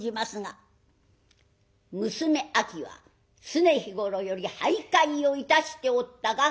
「娘秋は常日頃より俳諧をいたしておったか？」。